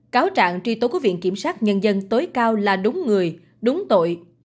cáo trạng truy tố của viện kiểm sát nhân dân tối cao là đúng người đúng tội